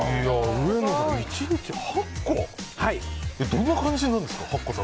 どんな感じですか？